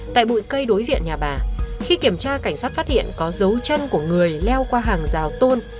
tại bụi cây đối diện nhà bà khi kiểm tra cảnh sát phát hiện có dấu chân của người leo qua hàng rào tôn